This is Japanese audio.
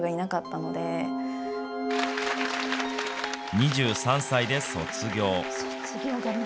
２３歳で卒業。